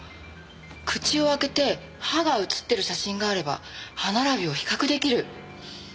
口を開けて歯が写ってる写真があれば歯並びを比較できる。